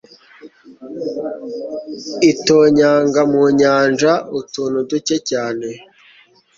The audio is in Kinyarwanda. igitonyanga mu nyanja utuntu duke cyane